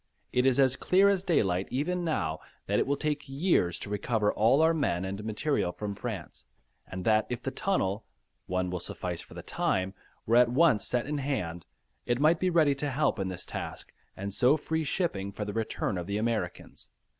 It is as clear as daylight even now, that it will take years to recover all our men and material from France, and that if the tunnel (one will suffice for the time), were at once set in hand, it might be ready to help in this task and so free shipping for the return of the Americans.